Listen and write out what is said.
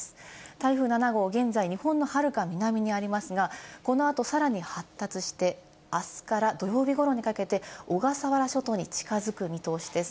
台風７号、現在、日本のはるか南にありますが、この後、さらに発達して、あすから土曜日ごろにかけて小笠原諸島に近づく見通しです。